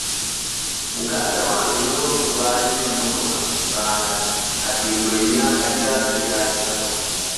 Muganda wange y'omu ku baalina emmotoka mu bibanda kati mbu emyaka gyazo gyayitako.